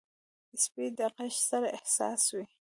سپي د غږ سره حساس وي.